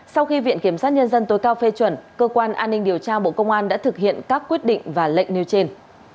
sau khi viện kiểm sát nhân dân tối cao phê chuẩn cơ quan an ninh điều tra bộ công an đã thực hiện các quyết định và lệnh nêu trên